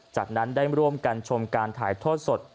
จากนั้นได้ร่วมกันชมการถ่ายทอดสด